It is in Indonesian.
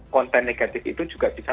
konten negatif itu juga bisa